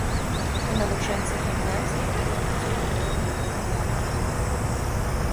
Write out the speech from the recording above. Навучэнцы гімназіі бяруць удзел ў розных алімпіядах.